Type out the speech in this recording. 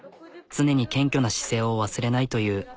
常に謙虚な姿勢を忘れないという。